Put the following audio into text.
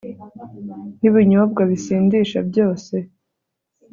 Ni binyobwa bisindisha byose